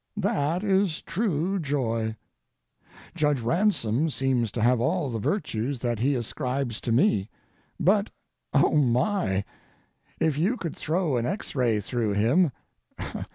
That is true joy. Judge Ransom seems to have all the virtues that he ascribes to me. But, oh my! if you could throw an X ray through him.